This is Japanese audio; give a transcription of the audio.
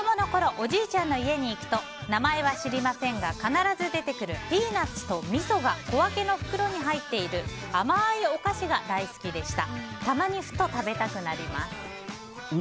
おじいちゃんの家に行くと名前は知りませんが必ず出てくるピーナツとみそが小分けの袋に入っている甘いお菓子が大好きでした。